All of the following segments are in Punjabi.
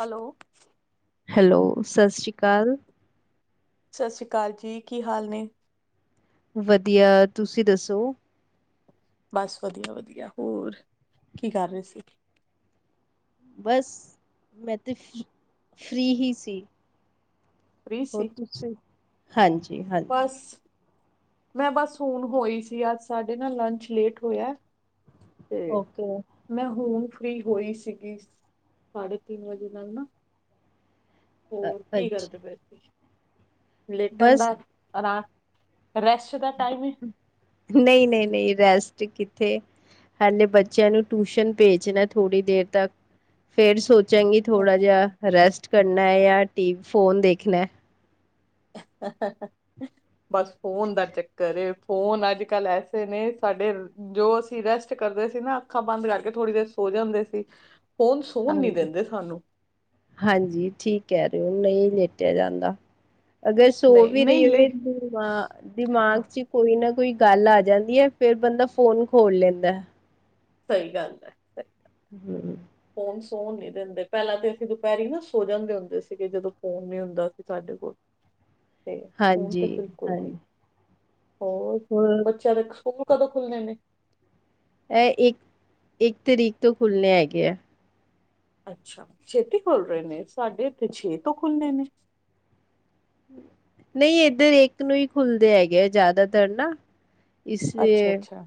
ਹੈਲੋ। ਹੈਲੋ, ਸਤਿ ਸ਼੍ਰੀ ਅਕਾਲ। ਸਤਿ ਸ੍ਰੀ ਅਕਾਲ ਜੀ, ਕੀ ਹਾਲ ਨੇ? ਵਧੀਆ, ਤੁਸੀਂ ਦੱਸੋ? ਬਸ ਵਧੀਆ-ਵਧੀਆ, ਹੋਰ ਕੀ ਕਰ ਰਹੇ ਸੀ। ਬਸ ਮੈਂ ਤਾਂ ਫ ਫ੍ਰਰੀ ਹੀ ਸੀ। ਫ੍ਰੀ ਹੋ ਸੀ ਤੁਸੀਂ, ਹਾਂਜੀ-ਹਾਂਜੀ। ਬਸ ਮੈਂ ਬਸ ਹੁਣ ਹੋਈ ਸੀ, ਅੱਜ ਸਾਡੇ ਨਾ ਲੰਚ ਲੇਟ ਹੋਇਆ ਐ। ਤੇ ਓਕੇ ਮੈਂ ਹੁਣ ਫਰੀ ਹੋਈ ਸੀਗੀ ਸਾਢੇ ਤਿੰਨ ਵਜੇ ਨਾਲ ਨਾ, ਅ- ਹੋਰ ਕੀ ਅੱਛਾ ਕਰਦੇ ਪਏ ਸੀ? ਲੇਟਣ ਦਾ ਆਰਾਮ ਰੈਸਟ ਦਾ ਟਾਈਮ ਏ ਨਹੀਂ-ਨਹੀਂ-ਨਹੀਂ ਰੈਸਟ ਕੀਤੀ। ਹੇ ਹਲੇ ਬੱਚਿਆਂ ਨੂੰ ਟਿਊਸ਼ਨ ਭੇਜਣਾ ਥੋੜ੍ਹੀ ਦੇਰ ਤੱਕ, ਫੇਰ ਸੋਚ ਚੰਗੀ ਥੋੜਾ ਅੱਛਾ ਜਿਹਾ ਅੱਛਾ, ਰੈਸਟ ਕਰਨਾ ਜਾਂ ਫੋਨ ਦੇਖਣਾ। ਹਾਹਾਹਾਹਾ ਬਸ ਫੋਨ ਦਾ ਚੱਕਰ ਏ ਫੋਨ ਅੱਜ-ਕੱਲ ਐਸੇ ਨੇ ਸਾਡੇ ਜੋ ਅਸੀਂ ਰੈਸਟ ਕਰਦੇ ਸੀ ਨਾ ਅੱਖਾਂ ਬੰਦ ਕਰਕੇ ਥੋੜ੍ਹੀ ਦੇਰ ਸੌ ਜਾਂਦੇ ਸੀ। ਫੋਨ ਸੋਣ ਹਾਂ ਨੀ ਦਿੰਦੇ ਸਾਨੂੰ ਹਾਂਜੀ, ਠੀਕ ਕਹਿ ਰਹੇ ਓ, ਨਹੀਂ ਲੇਟਿਆ ਜਾਂਦਾ। ਅਗਰ ਸੋ ਨਹੀਂ ਵੀ ਨਹੀਂ ਰਹੀ ਲੈ ਹੋਏ, ਦਿਮਾ ਹਾਂ ਦਿਮਾਗ ਚ ਕੋਈ ਨਾ ਕੋਈ, ਗੱਲ ਆ ਜਾਂਦੀ ਹੈ, ਫੇਰ ਬੰਦਾ ਫੋਨ ਖੋਲ ਲੈਂਦਾ ਹੈ। ਸਹੀ ਗੱਲ ਹੈ ਸਹੀ ਗੱਲ, ਹੂੰ, ਸੌਣ ਨੀ ਦਿੰਦੇ ਪਹਿਲਾਂ ਤੇ ਅਸੀਂ ਦੁਪਹਿਰੇ ਨਾ ਸੌ ਜਾਂਦੇ ਹੁੰਦੇ ਸੀਗੇ, ਜਦੋਂ ਫੋਨ ਨੀ ਹੁੰਦਾ ਸੀ ਸਾਡੇ ਕੋਲ ਤੇ ਹੁਣ ਹਾਂਜੀ ਤਾਂ ਬਿਲਕੁਲ ਨਹੀਂ, ਹਾਂਜੀ ਹੋਰ ਬੱਚਿਆਂ ਦੇ ਸਕੂਲ ਕਦੋਂ ਖੁੱਲਣੇ ਨੇ ਇਹ ਇੱਕ-ਇੱਕ ਤਰੀਕ ਤੋਂ ਖੁੱਲ੍ਹਣੇ ਹੈਗੇ ਆ। ਅੱਛਾ ਛੇਤੀ ਖੁੱਲ ਰਹੇ ਨੇ ਸਾਡੇ ਇੱਥੇ ਛੇ ਤੋਂ ਖੁੱਲਨੇ ਨੇ, ਨਹੀਂ ਇੱਧਰ ਇੱਕ ਨੂੰ ਹੀ ਖੁੱਲਦੇ ਹੈਗੇ ਆ ਜ਼ਿਆਦਾਤਰ ਨਾ, ਅੱਛਾ ਇਸੇ ਅੱਛਾ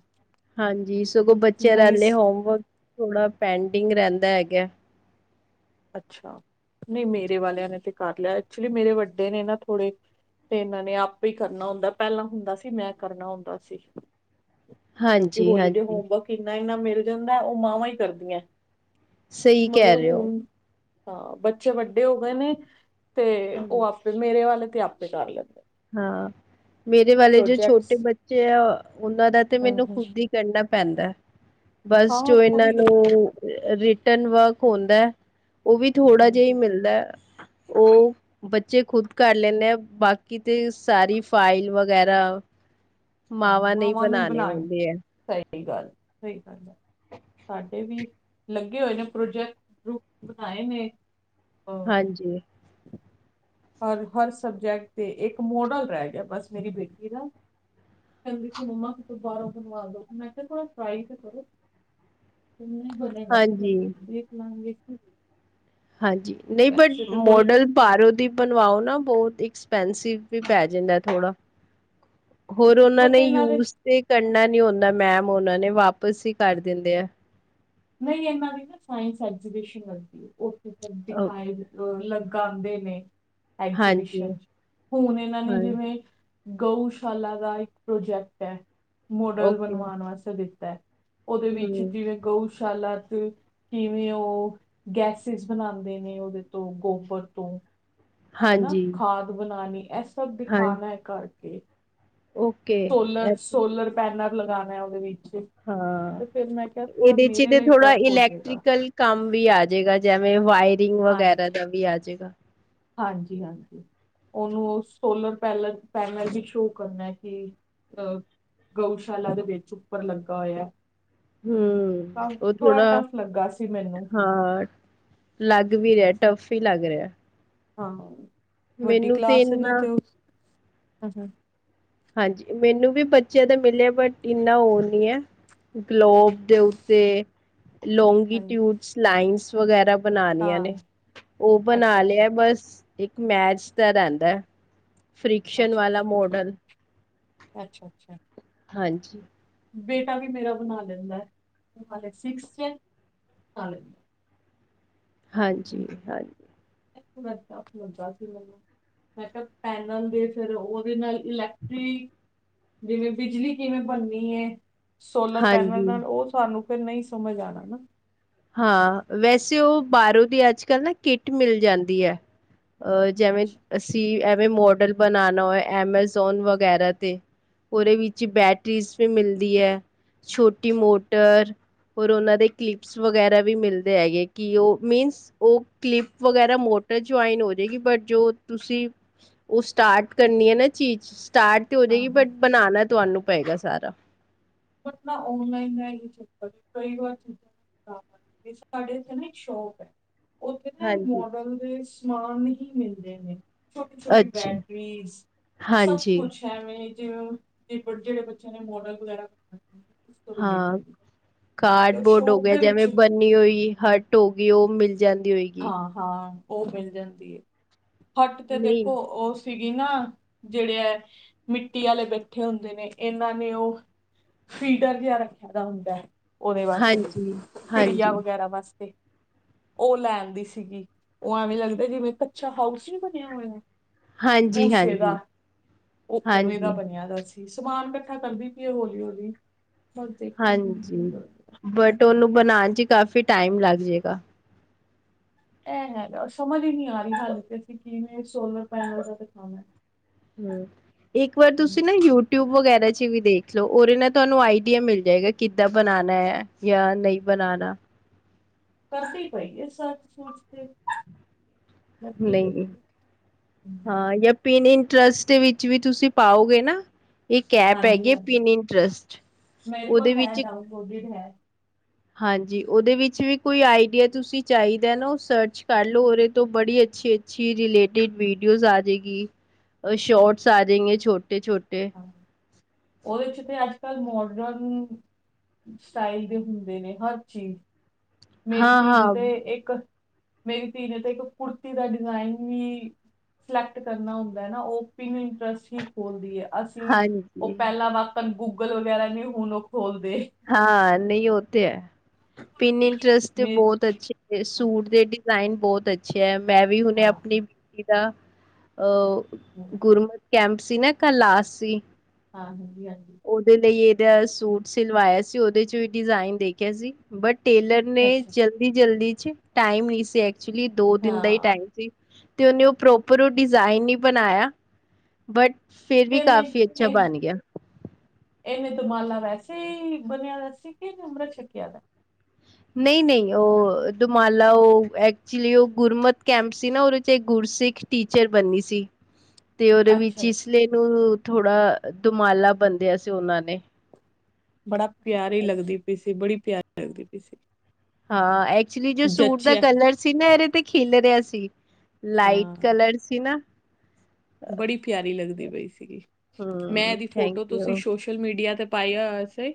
ਹਾਂਜੀ ਸਗੋਂ ਬੱਚਿਆਂ ਨਹੀਂ ਰਹਿੰਦੇ ਸ- ਹੋਮਵਰਕ ਥੋੜਾ ਪੈਂਡਿੰਗ ਰਹਿੰਦਾ ਹੈਗਾ। ਅੱਛਾ ਨਹੀਂ ਮੇਰੇ ਵਾਲਿਆਂ ਨੇ ਤੇ ਕਰ ਲਿਆ ਐਕਚੂਲੀ ਮੇਰੇ ਵੱਡੇ ਨੇ ਨਾ ਥੋੜੇ ਤੇ ਇਹਨਾਂ ਨੇ ਆਪੇ ਹੀ ਕਰਨਾ ਹੁੰਦਾ ਪਹਿਲਾਂ ਹੁੰਦਾ ਸੀ, ਮੈਂ ਕਰਨਾ ਹੁੰਦਾ ਸੀ। ਕਿਉਂਕਿ ਹਾਂਜੀ ਹੋਲੀਡੇ ਹਾਂਜੀ ਹੋਮਵਰਕ ਇੰਨਾ ਇੰਨਾ ਮਿਲ ਜਾਂਦਾ, ਉਹ ਮਾਵਾਂ ਹੀ ਕਰਦੀਆਂ। ਸਹੀ ਕਹਿ ਮਗਰ ਰਹੇ ਹੋ, ਹੁਣ ਹਾਂ ਬੱਚੇ ਵੱਡੇ ਹੋ ਗਏ ਨੇ, ਤੇ ਹਾਂਜੀ, ਉਹ ਆਪੇ ਮੇਰੇ ਵਾਲੇ ਤੇ ਆਪੇ ਕਰ ਲੈਂਦੇ। ਹਾਂ, ਮੇਰੇ ਵਾਲੇ ਜੋ ਪ੍ਰੋਜੈਕਟਸ ਛੋਟੇ ਬੱਚੇ ਆ। ਉਹਨਾਂ ਦਾ ਤੇ ਮੈਨੂੰ ਹੂੰ-ਹੂੰ। ਖੁਦ ਹੀ ਕਰਨਾ ਪੈਂਦਾ, ਹਾਂ ਬਸ ਜੋ ਉਹ ਖੁਦ ਇਹਨਾਂ ਹੀ ਕਰ- ਨੂੰ ਰਿਟਰਨ ਵਰਕ ਹੁੰਦਾ, ਉਹ ਵੀ ਥੋੜਾ ਜਿਹਾ ਹੀ ਹਾਂਜੀ ਮਿਲਦਾ। ਉਹ ਬੱਚੇ ਖੁਦ ਕਰ ਲੈਂਦੇ ਆ ਬਾਕੀ, ਕਿਤੇ ਸਾਰੀ ਫਾਈਲ ਵਗੈਰਾ। ਆਹੋ ਨਹੀਂ ਮਾਵਾਂ ਨੂੰ ਵੀ ਬਣਾਉਣੇ ਬਣਾਈ ਹੁੰਦੇ ਹੈ ਸਹੀ ਗੱਲ ਸਹੀ ਗੱਲ ਹੈ। ਸਾਡੇ ਵੀ ਲੱਗੇ ਹੋਏ ਨੇ ਪ੍ਰੋਜੈਕਟ ਗਰੁੱਪ ਬਣਾਏ ਨੇ ਹਾਂਜੀ। ਹਰ ਹਰ ਸਬਜੈਕਟ ਤੇ ਇੱਕ ਮੋਡਲ ਰਹਿ ਗਿਆ ਬਸ ਮੇਰੀ ਬੇਟੀ ਦਾ। ਕਹਿੰਦੇ ਸੀ ਮੰਮਾ ਕਿਤੋਂ ਬਾਹਰੋਂ ਬਣਵਾ ਦੋ ਮੈਂ ਕਿਹਾ ਥੋੜਾ ਟਰਾਈ ਤੇ ਕਰੋ। ਨਹੀਂ ਬਣੇਗਾ ਤੇ ਫੇਰ ਹਾਂਜੀ ਦੇਖ ਲਾਂਗੇ। ਹਾਂਜੀ, ਨਹੀਂ ਬਟ ਵੈਸੇ ਤਾਂ ਕੋਈ ਮੋਡਲ ਬਾਹਰੋਂ ਦੀ ਬਣਾ। ਬਣਵਾਓ ਨਾ ਬਹੁਤ ਐਕਸਪੈਂਸਿਵ ਵੀ ਪੈ ਜਾਂਦਾ ਥੋੜਾ। ਹੋਰ ਉਹਨਾਂ ਬਟ ਨੇ ਇਹਨਾਂ ਦੇ ਯੂਜ ਤੇ ਕਰਨਾ। ਨੀ ਹੁੰਦਾ ਮੈਮ ਉਹਨਾਂ ਨੇ ਵਾਪਿਸ ਹੀ ਕਰ ਦਿੰਦੇ ਆ। ਨਹੀਂ ਇਨਾ ਦੀ ਨਾ ਸਾਇੰਸ ਐਗਜੀਬਿਸ਼ਨ ਲੱਗਦੀ ਏ ਉਹ ਦਿਖਾ। ਲਗਾਉਂਦੇ ਨੇ ਹਾਂਜੀ ਐਗਜੀਬਿਸ਼ਨ ਵਿੱਚ ਹੁਣ ਇਹਨਾਂ ਨੇ ਹਾਂ ਜਿਵੇਂ। ਗਊਸ਼ਾਲਾ ਦਾ ਇੱਕ ਪ੍ਰੋਜੈਕਟ ਹੈ ਮੋਡਲ ਓਕੇ ਬਣਵਾਉਣ ਵਾਸਤੇ ਦਿੱਤਾ ਹੈ। ਉਹਦੇ ਵਿੱਚ ਹਮ ਜਿਵੇਂ ਗਊ ਸ਼ਾਲਾ ਤੋਂ ਕਿਵੇਂ ਉਹ ਗੈਸਿਸ ਬਣਾਉਂਦੇ ਨੇ ਉਹਦੇ ਤੋਂ ਗੋਬਰ ਤੋਂ ਹ ਹਨਾ ਖਾਦ ਬਣਾਉਣੀ ਇਹ ਸਭ ਹਾਂ ਦਿਖਾਉਣਾ ਹੈ ਕਰਕੇ। ਓਕੇ ਸੋਲਰ ਸੋਲਰ ਪੈਨਲ ਲਗਾਉਣਾ ਉਹਦੇ ਵਿੱਚ ਹਾਂ ਤੇ ਫਿਰ। ਮੈਂ ਕਿਹਾ ਥੋੜਾ ਇਹਦੇ 'ਚ ਮੇਰੇ ਤੇ ਲਈ ਥੋੜਾ ਟਫ ਹੋ ਜਾਏਗਾ ਇਲੈਕਟ੍ਰੀਕਲ ਕੰਮ ਵੀ ਆਜੇਗਾ ਜਿਵੇਂ। ਵਾਇਰਿੰਗ ਹਾਂਜੀ ਵਗੈਰਾ ਦਾ ਵੀ ਆ ਜਾਏਗਾ। ਹਾਂਜੀ ਹਾਂਜੀ। ਉਹਨੂੰ ਸੋਲਰ ਪੈਲ ਪੈਨਲ ਵੀ ਸ਼ੋਅ ਕਰਨਾ ਕਿ ਅਹ। ਗਊਸ਼ਾਲਾ ਦੇ ਵਿੱਚ ਉੱਪਰ ਲੱਗਾ ਹੋਇਆ। ਹੂੰ, ਕੰਮ ਉਹ ਥੋੜਾ ਟਫ ਲੱਗਾ ਸੀ ਮੈਨੂੰ ਹਾਂ। ਲੱਗ ਵੀ ਰਿਹਾ ਟਫ ਹੀ ਲੱਗ ਰਿਹਾ ਹੈ। ਹਾਂ ਵੱਡੀ ਕਲਾਸ ਹੈ ਨਾ ਇੰਨਾ ਤੇ ਉਹ। ਹਾਂਜੀ ਮੈਨੂੰ ਵੀ ਬੱਚਿਆਂ ਦਾ ਮਿਲਿਆ ਬਟ ਇੰਨਾ ਉਹ ਨੀ ਹੈ। ਗਲੋਬ ਦੇ ਉੱਤੇ ਹਾਂਜੀ ਲੋਂਗੀਟਿਊਡਸ ਲਾਈਨਸ ਵਗੈਰਾ। ਬਣਾਨੀਆਂ ਨੇ ਹਾਂ ਉਹ ਅੱਛਾ ਬਣਾ ਅੱਛਾ ਲਿਆ ਬਸ। ਇੱਕ ਮੈਥ ਦਾ ਰਹਿੰਦਾ ਫਰਿਕਸ਼ਨ ਅੱਛਾ ਵਾਲਾ ਅੱਛਾ ਮੋਡਲ। ਅੱਛਾ ਅੱਛਾ। ਹਾਂਜੀ। ਬੇਟਾ ਵੀ ਮੇਰਾ ਬਣਾ ਲੈਂਦਾ। ਹਲੇ ਸਿਕਸ 'ਚ ਨਾਲੇ। ਹਾਂਜੀ ਹਾਂਜੀ। ਇੱਥੋਂ ਨਾਲ ਤੇ ਮੈਂ ਜਾਂ ਕੇ ਲੈਲਾ। ਮੈਂ ਕਿਹਾ ਪੈਨਲ ਦੇ ਫਿਰ ਉਹਦੇ ਨਾਲ ਇਲੈਕਟ੍ਰਿਕ। ਜਿਵੇਂ ਬਿਜਲੀ ਕਿਵੇਂ ਬਣਨੀ ਹੈ‌। ਸੋਲਰ ਪੈਨਲ ਹਾਂਜੀ, ਨਾਲ ਉਹ ਤੁਹਾਨੂੰ ਫਿਰ ਨਹੀਂ ਸਮਝ ਆਉਣਾ ਨਾ। ਹਾਂ ਵੈਸੇ ਉਹ ਬਾਹਰੋਂ ਦੀ ਅੱਜ ਕੱਲ੍ਹ ਨਾ ਕਿੱਟ ਮਿਲ ਜਾਂਦੀ ਹੈ। ਅਹ ਜਿਵੇਂ ਅਸੀਂ ਐਵੇਂ ਮੋਡਲ ਬਣਾਉਣਾ ਹੋਏ ਐਮਾਜੋਨ ਵਗੈਰਾ ਤੇ। ਉਹਦੇ ਵਿੱਚ ਬੈਟਰੀਜ਼ ਵੀ ਮਿਲਦੀ ਹੈ। ਛੋਟੀ ਮੋਟਰ ਔਰ ਉਹਨਾਂ ਦੇ ਕਲਿੱਪ। ਵਗੈਰਾ ਵੀ ਮਿਲਦੇ ਹੈਗੇ ਕਿ ਉਹ ਮੀਨਸ ਉਹ ਕਲਿੱਪ ਵਗੈਰਾ ਮੋਟਰ ਜੁਆਇਨ ਹੋ ਜਾਵੇਗੀ। ਪਰ ਜੋ ਤੁਸੀਂ ਉਹ ਸਟਾਰਟ ਕਰਨੀ ਹੈ ਨਾ ਚੀਜ਼। ਸਟਾਰਟ ਤੇ ਹੋ ਹਾਂ ਜਾਏਗੀ। ਹਾਂ ਬਟ ਬਣਾਉਣਾ ਤੁਹਾਨੂੰ ਪਏਗਾ ਸਾਰਾ। ਬਟ ਨਾ ਔਨਲਾਈਨ ਇਹ ਚੱਕਰ 'ਚ ਕਈ ਵਾਰ ਨਾ‌। ਹਾਂ ਇਹ ਸਾਡੇ ਇੱਥੇ ਨਾ ਇੱਕ ਸ਼ੌਕ ਹੈ। ਉੱਥੇ ਨਾ ਇਹ ਹਾਂਜੀ, ਮਾਡਲ ਦੇ ਸਮਾਨ ਹੀ ਮਿਲਦੇ ਨੇ। ਛੋਟੀ ਛੋਟੀ ਅੱਛਾ, ਬੈਟਰੀਜ਼ ਸਭ ਹਾਂਜੀ, ਕੁਛ ਹੈ। ਜਿਵੇਂ ਹੁਣ, ਜਿਹੜੇ ਬੱਚੇ ਨੇ ਮੋਡਲ ਵਗੈਰਾ। ਬਣਾਏ ਉਸ ਤੋਂ ਹਾਂ ਰਿਲੇਟਿਡ ਤੇ ਉਹ ਕਾਰਡਬੋਰਡ ਹੋ ਸ਼ੋਪ ਗਿਆ ਦੇ ਜਿਵੇਂ ਵਿੱਚ ਬੰਨੀ ਹੋਈ, ਹਟ ਹੋ ਗਈ ਉਹ ਮਿਲ ਜਾਂਦੀ ਹੋਏਗੀ। ਹਾਂ ਹਾਂ ਉਹ ਮਿਲ ਜਾਂਦੀ ਹੈ ਹੱਟ ਤੇ ਨਹੀਂ ਦੇਖੋ ਉਸ ਸੀਗੀ ਨਾ ਜਿਹੜੇ ਹੈ ਮਿੱਟੀ ਵਾਲੇ ਬੈਠੇ ਹੁੰਦੇ ਨੇ। ਇਹਨਾਂ ਨੇ ਉਹ ਫੀਡਰ ਜਿਹਾ ਰੱਖਿਆ ਦਾ ਹੁੰਦਾ ਹੈ। ਉਹਦੇ ਵਾਸਤੇ ਹਾਂਜੀ, ਚਿੜੀਆਂ ਹਾਂਜੀ, ਵਗੈਰਾ ਵਾਸਤੇ ਉਹ ਲੈਣ ਲੈਂਦੀ ਸੀਗੀ। ਉਹ ਐਵੇਂ ਲੱਗਦਾ ਜਿਵੇਂ ਕੱਚਾ ਹਾਊਸ ਨਹੀਂ ਬਣਿਆ ਹੋਇਆ। ਹਾਂਜੀ, ਭੂਸੇ ਦਾ ਉਹ ਉਵੇਂ ਦਾ ਹਾਂਜੀ, ਹਾਂਜੀ, ਬਣਿਆ ਦਾ ਸੀ। ਸਮਾਨ ਇਕੱਠਾ ਕਰਦੀ ਪਈਏ ਹੌਲੀ-ਹੌਲੀ। ਹਾਂਜੀ ਬਟ ਉਹਨੂੰ ਬਣਾਉਣ ਚ ਕਾਫ਼ੀ ਟਾਈਮ ਲੱਗ ਜੇਗਾ। ਇਹ ਹੈਗਾ ਸਮਝ ਨਹੀਂ ਆ ਰਹੀ ਕਿ ਅਸੀਂ ਕਿਵੇਂ ਸੋਲਰ ਪੈਨਲ ਚ ਦਿਖਾਉਣਾ ਹੈ। ਹੂੰ ਇੱਕ ਵਾਰ ਤੁਸੀਂ ਨਾ ਯੂਟਿਊਬ ਵਗੈਰਾ ਚ ਵੀ ਦੇਖ ਲਓ ਉਹਦੇ ਨਾਲ ਤੁਹਾਨੂੰ ਆਈਡੀਆ ਮਿਲ ਜਾਏਗਾ ਕਿੱਦਾਂ ਬਣਾਉਣਾ ਹੈ ਜਾਂ ਨਹੀਂ ਬਣਾਉਣਾ। ਕਰਦੀ ਪਈ ਏ ਸਰਚ ਸਰਚ ਤੇ ਲੱਗੀ ਨਹੀਂ ਰਹਿੰਦੀ ਹਾਂ ਜਾਂ ਪੀਣੀ ਟਰਸਟ ਵਿੱਚ ਵੀ ਤੁਸੀਂ ਪਾਓਗੇ ਨਾ। ਇੱਕ ਐਪ ਹਾਂਜੀ ਹੈਗੀ ਐ ਹਾਂਜੀ ਪਿੰਨ ਇੰਟਰਸਟ ਮੇਰੇ ਉਹਦੇ ਕੋਲ ਹੈ ਵਿੱਚ ਡਾਊਨਲੋਡਡ ਹੈ ਹਾਂਜੀ ਉਹਦੇ ਵਿੱਚ ਵੀ ਕੋਈ ਆਈਡੀਆ ਤੁਸੀਂ ਚਾਹੀਦਾ ਨਾ ਉਹ ਸਰਚ ਕਰ ਲਓ ਉਹਦੇ ਤੋਂ ਬੜੀ ਅੱਛੀ-ਅੱਛੀ ਰਲੇਟਿਡ ਵੀਡੀਓਜ਼ ਆ ਜਾਏਗੀ। ਸ਼ੋਰਟਸ ਆ ਜਾਏਗੇੰ ਛੋ ਉਹਦੇ ਚ ਤੇ ਅੱਜ ਅੱਜ ਕੱਲ ਮੋਡਰਨ ਸਟਾਈਲ ਦੇ ਹੁੰਦੇ ਨੇ ਹਰ ਚੀਜ਼। ਮੇਰੀ ਹਾਂ ਧੀ ਹਾਂ ਨੇ ਤੇ ਇੱਕ ਮੇਰੀ ਧੀ ਨੇ ਤੇ ਇੱਕ ਕੁੜਤੀ ਦਾ ਡਿਜ਼ਾਇਨ ਵੀ ਸਿਲੈਕਟ ਕਰਨਾ ਹੁੰਦਾ ਹੈ ਨਾ। ਉਹ ਪਿਨ ਇੰਟਰਸਟ ਹੀ ਖੋਲਦੀ ਹੈ। ਅਸੀਂ ਉਹ ਹਾਂਜੀ ਪਹਿਲਾਂ ਵਾਕਨ ਗੂਗਲ ਵਗੈਰਾ ਨਹੀਂ ਹੁਣ ਉਹ ਖੋਲ ਹਾਂ, ਨਹੀਂ ਉਹ ਤੇ ਹੈ। ਪਿੰਨ ਇੰਟਰਸਟ ਤੇ ਮੇ ਬਹੁਤ ਅੱਛੇ ਨੇ। ਸੂਟ ਦੇ ਡਿਜ਼ਾਇਨ ਬਹੁਤ ਅੱਛੇ ਹੈ। ਮੈਂ ਵੀ ਹੁਨੇ ਹਾਂ ਆਪਣੀ [unintelligible] ਦਾ ਅਹ ਹਮ, ਗੁਰਮਤ ਕੈਂਪ ਸੀ ਨਾ, ਕਲ ਲਾਸਟ ਸੀ। ਹਾਂ ਹਾਂਜੀ-ਹਾਂਜੀ। ਦਾ ਸੂਟ ਸਿਲਵਾਇਆ ਸੀ ਉਹਦੇ ਚ ਵੀ ਡਿਜ਼ਾਇਨ ਦੇਖਿਆ ਸੀ ਬਟ ਟੇਲਰ ਨੇ ਅੱਛਾ ਜਲਦੀ-ਜਲਦੀ ਚ ਟਾਈਮ ਨਹੀਂ ਸੀ ਐਕਚੁਲੀ ਦੋ ਦਿਨ ਦਾ ਹੀ ਹਾਂ ਟਾਈਮ ਸੀ। ਅਤੇ ਉਹਨੇ ਉਹ ਪ੍ਰੋਪਰ ਉਹ ਡਿਜ਼ਾਇਨ ਨਹੀਂ ਬਣਾਇਆ। ਬਟ ਫਿਰ ਤੇ ਵੀ ਇਹਨੇ ਕਾਫੀ ਅੱਛਾ ਇਹ ਬਣ ਗਿਆ। ਇਹਨੇ ਦੁਮਾਲਾ ਵੈਸੇ ਹੀ ਬੰਨਿਆ ਹੋਇਆ ਸੀ ਕਿ ਅੰਮ੍ਰਿਤ ਛਕਿਆ ਦਾ? ਨਹੀਂ-ਨਹੀਂ ਉਹ ਦੁਮਾਲਾ ਉਹ ਐਕਚੁਲੀ ਉਹ ਗੁਰਮਤ ਕੈਂਪ ਸੀ ਨਾ ਉਹਦੇ ਚ ਗੁਰ ਸਿੱਖ ਟੀਚਰ ਬਣਨੀ ਸੀ। ਤੇ ਉਹਦੇ ਵਿੱਚ ਅੱਛਾ ਇਸ ਲਈ ਇਹਨੂੰ ਥੋੜਾ ਦੁਮਾਲਾ ਬੰਨਿਆ ਸੀ ਉਹਨਾਂ ਨੇ। ਬੜਾ ਪਿਆਰੀ ਲੱਗਦੀ ਪਈ ਸੀ, ਬੜੀ ਪਿਆਰੀ ਲੱਗਦੀ ਪਈ ਸੀ। ਹਾਂ ਐਕਚੁਲੀ ਜੋ ਸੂਟ ਦਾ ਜਚਿਆ ਕਲਰ ਸੀ ਨਾ। ਇਹਦੇ ਤੇ ਖਿਲ ਰਿਹਾ ਸੀ। ਲਾਈਟ ਹਾਂ। ਕਲਰ ਸੀ ਨਾ। ਬੜੀ ਪਿਆਰੀ ਲੱਗਦੀ ਪਈ ਸੀਗੀ। ਮੈਂ ਹਮ ਇਹਦੀ ਥੈਂਕ ਫੋਟੋ ਤੁਸੀਂ ਯੂ ਸੋਸ਼ਲ ਮੀਡੀਆ ਤੇ ਪਾਇਆ ਅਸੇ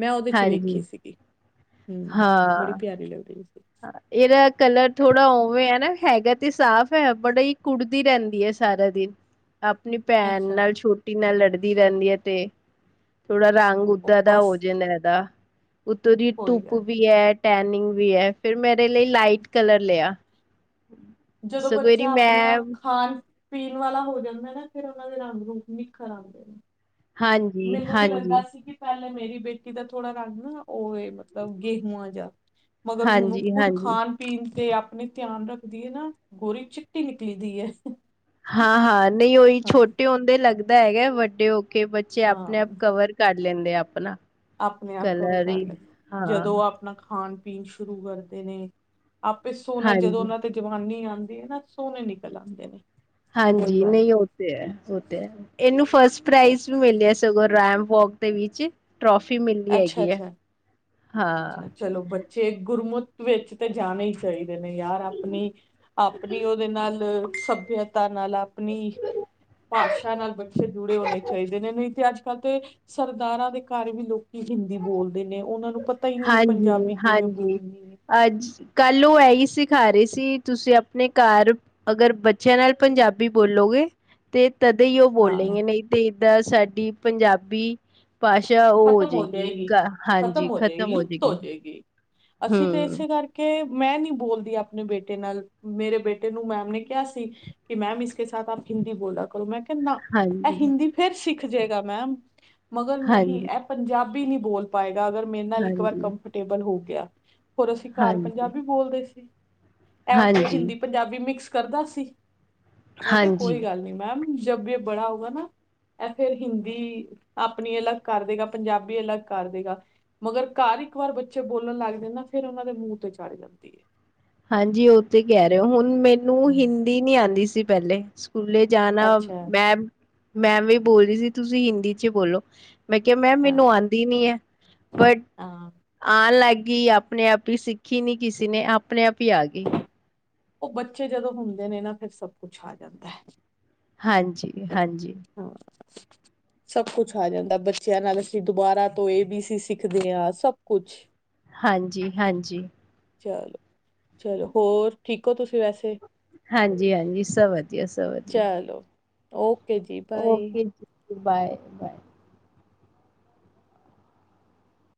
ਮੈਂ ਉਹਦੇ ਚ ਹਾਂਜੀ ਵੇਖੀ ਸੀਗੀ। ਹੂੰ ਬੜੀ ਪਿਆਰੀ ਲੱਗ ਰਹੀ ਸੀ। ਹਾਂ, ਇਹਦਾ ਕਲਰ ਥੋੜਾ ਉਵੇਂ ਹੈ ਨਾ। ਹੈਗਾ ਤੇ ਸਾਫ਼ ਹੈ ਬੜਾ ਹੀ ਕੁੜਦੀ ਰਹਿੰਦੀ ਹੈ ਸਾਰੀ ਦਿਨ ਆਪਣੀ ਭੈਣ ਅੱਛਾ, ਨਾਲ ਛੋਟੀ ਨਾਲ ਲੜਦੀ ਰਹਿੰਦੀ ਹੈ ਤੇ ਥੋੜਾ ਰੰਗ ਉੱਦਾਂ ਉਹ ਦਾ ਬਸ ਹੋਜੇਦਾ ਇਹਦਾ। ਉਤੋਂ ਦੀ ਕੋਈ ਧੁੱਪ ਗੱਲ ਵੀ ਹੈ, ਟੈਨਿੰਗ ਵੀ ਹੈ। ਫਿਰ ਮੈਂ ਇਹਦੇ ਲਈ ਲਾਈਟ ਕਲਰ ਲਿਆ। ਜਦੋਂ ਸਗੋਂ ਇਹਦੀ ਬੱਚਾ ਮੈਂ ਆਪਣੇ ਆਪ ਖਾਣ ਪੀਣ ਵਾਲਾ ਹੋ ਜਾਂਦਾ ਨਾ। ਫਿਰ ਉਹਨਾਂ ਦੇ ਰੰਗ ਰੂਪ ਨਿਖਰ ਆਉਂਦੇ ਨੇ। ਹਾਂਜੀ ਮੈਨੂੰ ਵੀ ਲੱਗਦਾ ਹਾਂਜੀ ਸੀ ਕਿ ਪਹਿਲੇ ਮੇਰੀ ਬੇਟ ਟੀ ਦਾ ਥੋੜਾ ਰੰਗ ਨਾ ਉਹ ਹੇ ਮਤਲਬ ਗੇਹੂਆਂ ਜਾ। ਮਗਰ ਹੁਣ ਉਹ ਹਾਂਜੀ ਖੁੱਦ ਹਾਂਜੀ ਖਾਣ ਪੀਣ ਤੇ ਆਪਣੇ ਧਿਆਨ ਰੱਖਦੀ ਹੈ ਨਾ। ਗੋਰੀ ਚਿੱਟੀ ਨਿਕਲੀ ਦੀ ਹੈ। ਹਾਂ-ਹਾਂ ਨਹੀਂ ਉਹੀ ਹਾਂ ਛੋਟੇ ਹੁੰਦੇ ਲੱਗਦਾ ਹੈਗਾ ਵੱਡੇ ਹੋ ਕੇ ਬੱਚੇ ਆਪਣੇ ਹਾਂ ਆਪ ਕਵਰ ਕਰ ਲੈਂਦੇ ਆਪਣਾ ਆਪਣੇ ਆਪ ਕਵਰ ਕਲਰ ਹੀ ਕਰ ਲੈਂਦੇ। ਹਾਂ, ਜਦੋਂ ਉਹ ਆਪਣਾ ਖਾਣ ਪੀਣ ਸ਼ੁਰੂ ਕਰਦੇ ਨੇ ਆਪੇ ਸੋਹਨਾ ਜਦੋਂ ਹਾਂਜੀ। ਉਹਨਾਂ ਤੇ ਜਵਾਨੀ ਆਉਂਦੀ ਹੈ ਨਾ। ਸੋਹਣੇ ਨਿਕਲ ਆਉਂਦੇ ਨੇ ਕੋਈ ਹਾਂਜੀ ਗੱਲ ਨਹੀਂ ਉਹ ਤੇ ਹੈ, ਉਹ ਤੇ ਹੈ। ਇਹਨੂੰ ਫਸਟ ਨੀ ਪ੍ਰਾਈਜ਼ ਵੀ ਮਿਲਿਆ ਸਗੋਂ ਰੈਂਪ ਵੋਕ ਦੇ ਵਿੱਚ। ਟ੍ਰੋਫੀ ਮਿਲਦੀ ਅੱਛਾ ਹੈਗੀ ਹੈ ਅੱਛਾ ਹਾਂ ਜੇ ਗੁਰਮੁਤ ਵਿੱਚ ਤੇ ਜਾਣਾ ਹੀ ਸਹੀ ਨੇ ਯਾਰ ਆਪਣੀ। ਆਪਣੀ ਉਹਦੇ ਨਾਲ ਸੱਭਿਅਤਾ ਨਾਲ ਆਪਣੀ ਭਾਸ਼ਾ ਨਾਲ ਬੱਚੇ ਜੁੜੇ ਹੋਣੇ ਚਾਹੀਦੇ ਨੇ। ਨਹੀਂ ਤੇ ਅੱਜ ਕੱਲ੍ਹ ਤੇ ਸਰਦਾਰਾਂ ਦੇ ਘਰ ਵੀ ਲੋਕ ਕੀ ਹਿੰਦੀ ਬੋਲਦੇ ਨੇ। ਉਹਨਾਂ ਨੂੰ ਪਤਾ ਹੀ ਨਹੀਂ ਹੈ ਪੰਜਾਬੀ ਕਿਵੇਂ ਹਾਂਜੀ-ਹਾਂਜੀ। ਬੋਲਣੀ ਹੈ ਅੱਜ ਕੱਲ ਉਹ ਇਹੀ ਸਿਖਾ ਰਹੀ ਸੀ। ਤੁਸੀਂ ਆਪਣੇ ਘਰ ਅਗਰ ਬੱਚਿਆਂ ਨਾਲ ਪੰਜਾਬੀ ਬੋਲੋਗੇ ਤੇ ਤਦੇ ਹੀ ਉਹ ਹਾਂ ਬੋਲੇਗੇ। ਨਹੀਂ ਤੇ ਏਦਾਂ ਸਾਡੀ ਪੰਜਾਬੀ ਭਾਸ਼ਾ ਉਹ ਹੋ ਜਾਏਗੀ। ਹਾਂਜੀ ਖਤਮ ਹੋ ਖ਼ਤਮ ਲੁਪਤ ਹੋ ਜਾਏਗੀ ਜੇਗੀ, ਅਸੀਂ ਤਾਂ ਹੂੰ ਇਸੇ ਕਰਕੇ ਮੈਂ ਨੀ ਬੋਲਦੀ ਆਪਣੇ ਬੇਟੇ ਨਾਲ, ਮੇਰੇ ਬੇਟੇ ਨੂੰ ਮੈਮ ਨੇ ਕਿਹਾ ਸੀ ਕਿ ਮੈਮ ਇਸਕੇ ਸਾਥ ਆਪ ਹਿੰਦੀ ਬੋਲਾ ਕਰੋ, ਮੈਂ ਕਿਆ ਨਾ ਐ ਹਾਂਜੀ, ਹਿੰਦੀ ਫੇਰ ਸਿੱਖ ਜੇਗਾ ਮੈਮ, ਮਗਰ ਨਹੀਂ ਹਾਂਜੀ, ਇਹ ਪੰਜਾਬੀ ਨੀ ਬੋਲ ਪਾਏਗਾ ਅਗਰ ਮੇਰੇ ਨਾਲ ਇੱਕ ਵਾਰ ਹਾਂਜੀ, ਕੰਫਰਟੇਬਲ ਹੋ ਗਿਆ। ਹੋਰ, ਅਸੀਂ ਘਰ ਹਾਂਜੀ, ਪੰਜਾਬੀ ਬੋਲਦੇ ਸੀ। ਐ ਓਥੇ ਹਾਂਜੀ, ਹਿੰਦੀ ਪੰਜਾਬੀ ਮਿਕਸ ਕਰਦਾ ਸੀ। ਮੈਂ ਕਿਹਾ ਹਾਂਜੀ। ਕੋਈ ਗੱਲ ਨਹੀਂ ਮੈਮ। ਜਬ ਯੇ ਬੜਾ ਹੋਗਾ ਨਾ, ਐ ਫੇਰ ਹਿੰਦੀ ਆਪਣੀ ਅਲੱਗ ਕਰ ਦੇਗਾ, ਪੰਜਾਬੀ ਅਲੱਗ ਕਰ ਦੇਗਾ, ਮਗਰ ਘਰ ਇੱਕ ਵਾਰ ਬੱਚੇ ਬੋਲਣ ਲੱਗ ਜਾਣ ਨਾ ਫੇਰ ਔਨਾਂ ਦੇ ਮੂੰਹ ਤੇ ਵੀ ਚਾੜ ਜਾਂਦੀ ਏ। ਹਾਂਜੀ, ਔ ਤੇ ਕੈ ਰੇ ਔ। ਹੁਣ ਮੇਨੂੰ ਹੂੰ ਹਿੰਦੀ ਨੀ ਆੰਦੀ ਸੀ ਪੈਲੇ। ਸਕੂਲੇ ਜਾਣਾ ਅੱਛਾ ਮੈਮ ਮੈਂ ਐਵੇ ਬੋਲਦੀ ਸੀ ਤੁਸੀਂ ਹਿੰਦੀ ਚ ਬੋਲੋ। ਮੈਂ ਕਿਹਾ ਮੈਮ ਹਾਂ ਮੇਨੂੰ ਆੰਦੀ ਨੀ ਹੈ, ਬਟ ਹਾਂ ਆਣ ਲੱਗ ਗੀ ਆਪਣੇ ਆਪ ਹੀ ਸਿੱਖੀ ਨੀ ਕਿਸੇ ਨੇ ਆਪਣੇ ਆਪ ਹੀ ਆਗੀ। ਓਹ ਬੱਚੇ ਜਦੋਂ ਹੁੰਦੇ ਨੇ ਨਾ ਫਿਰ ਸਭ ਕੁਛ ਆ ਜਾਂਦੈ। ਹਾਂਜੀ ਹਾਂਜੀ। ਸਭ ਕੁਛ ਆ ਜਾਂਦੈ, ਬੱਚਿਆਂ ਨਾਲ ਅਸੀਂ ਦੁਬਾਰਾ ਤੋਂ ਏ ਬੀ ਸੀ ਸਿੱਖਦੇ ਆਂ, ਸਭ ਕੁਛ। ਹਾਂਜੀ ਹਾਂਜੀ। ਚਲੋ, ਚਲੋ ਹੋਰ ਠੀਕ ਹੋ ਤੁਸੀਂ ਵੈਸੇ? ਹਾਂਜੀ ਹਾਂਜੀ, ਸਭ ਵਧੀਆ ਸਭ ਵਧੀਆ। ਚਲੋ ਓਕੇ ਜੀ, ਬਾਏ। ਓਕੇ ਜੀ ਬਾਏ ਬਾਏ‌।